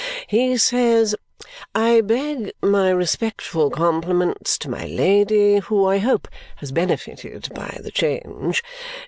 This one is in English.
He says, 'I beg my respectful compliments to my Lady, who, I hope, has benefited by the change.